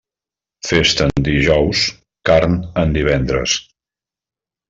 Festa en dijous, carn en divendres.